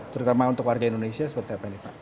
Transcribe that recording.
terutama untuk warga indonesia seperti apa nih pak